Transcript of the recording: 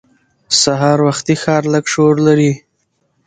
سهار وختي ښار لږ شور لري